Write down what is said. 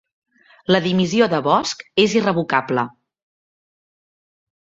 La dimissió de Bosch és irrevocable